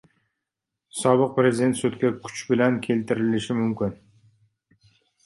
Sobiq prezident sudga kuch bilan keltirilishi mumkin